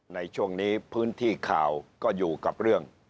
ในช่วงนี้พื้นที่ข่าวก็อยู่กับเรื่อง